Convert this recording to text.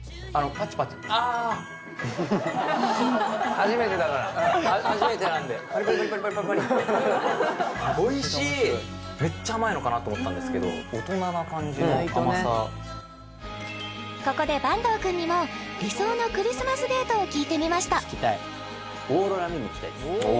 初めてなんでめっちゃ甘いのかなと思ったんですけどここで板東君にも理想のクリスマスデートを聞いてみましたおお！